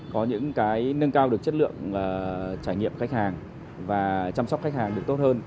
có những cái nâng cao được chất lượng trải nghiệm khách hàng và chăm sóc khách hàng được tốt hơn